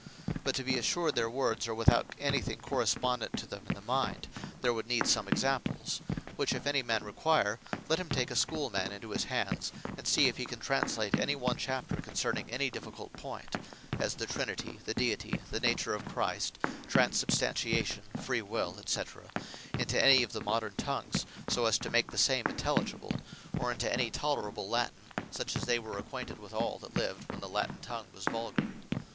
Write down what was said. But to be assured their words are without any thing correspondent to them in the mind, there would need some Examples; which if any man require, let him take a Schoole man into his hands, and see if he can translate any one chapter concerning any difficult point; as the Trinity; the Deity; the nature of Christ; Transubstantiation; Free will. &c. into any of the moderne tongues, so as to make the same intelligible; or into any tolerable Latine, such as they were acquainted withall, that lived when the Latine tongue was Vulgar.